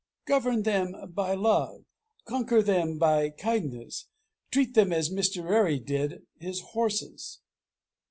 Govern them by love. Conquer them by kindness. Treat them as Mr. Rarey did his horses.